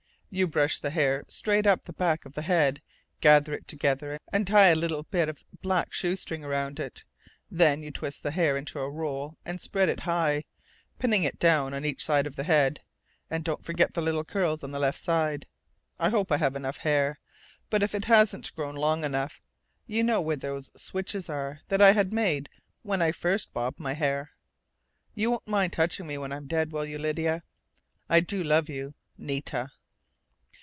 You brush the hair straight up the back of the head, gather it together and tie a little bit of black shoestring around it, then you twist the hair into a roll and spread it high, pinning it down on each side of the head. And don't forget the little curls on the left side! I hope I have enough hair, but if it hasn't grown long enough, you know where those switches are that I had made when I first bobbed my hair.... You won't mind touching me when I'm dead, will you, Lydia? I do love you.... Nita.'"